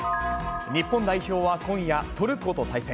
日本代表は今夜、トルコと対戦。